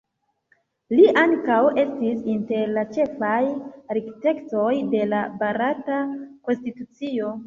Li ankaŭ estis inter la ĉefaj arkitektoj de la Barata konstitucio.